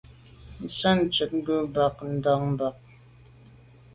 Nze ntshwèt ghù bag nda’ mbà.